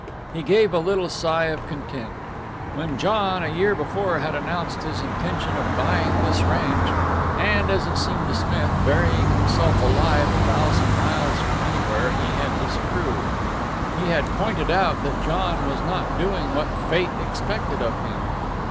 He gave a little sigh of content. When John, a year before, had announced his intention of buying this ranch, and, as it seemed to Smith, burying himself alive a thousand miles from anywhere, he had disapproved. He had pointed out that John was not doing what Fate expected of him.